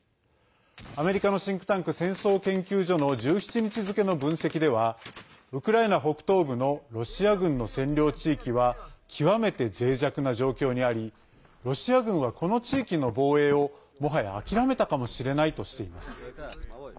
アメリカのシンクタンク戦争研究所の１７日付の分析ではウクライナ北東部のロシア軍の占領地域は極めてぜい弱な状況にありロシア軍は、この地域の防衛をもはや諦めたかもしれないとしています。